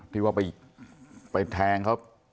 พี่ว่าไปแทงครับ